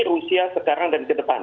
rusia sekarang dan ke depan